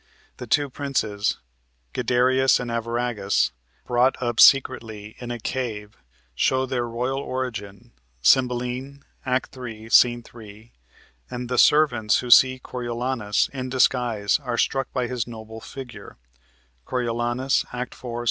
The two princes, Guiderius and Arviragus, brought up secretly in a cave, show their royal origin (Cymbeline, Act 3, Sc. 3), and the servants who see Coriolanus in disguise are struck by his noble figure (Coriolanus, Act 4, Sc.